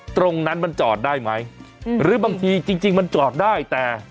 ตรงนั้นมันจอดได้ไหมหรือบางทีจริงจริงมันจอดได้แต่